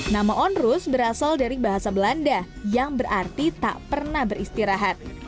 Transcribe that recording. nama onrus berasal dari bahasa belanda yang berarti tak pernah beristirahat